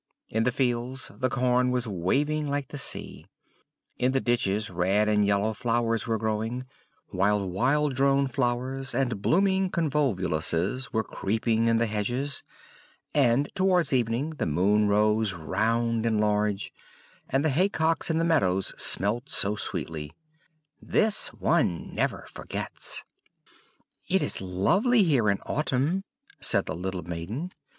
In the fields the corn was waving like the sea; in the ditches red and yellow flowers were growing; while wild drone flowers, and blooming convolvuluses were creeping in the hedges; and towards evening the moon rose round and large, and the haycocks in the meadows smelt so sweetly. "This one never forgets!" "It is lovely here in autumn!" said the little maiden.